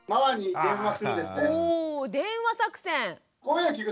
お電話作戦。